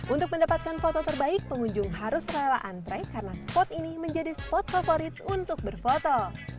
untuk mendapatkan foto terbaik pengunjung harus rela antre karena spot ini menjadi spot favorit untuk berfoto